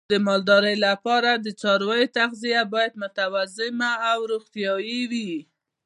د مالدارۍ لپاره د څارویو تغذیه باید متوازنه او روغتیايي وي.